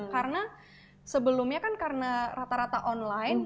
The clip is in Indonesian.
karena sebelumnya kan karena rata rata online